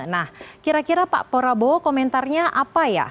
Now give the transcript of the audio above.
nah kira kira pak prabowo komentarnya apa ya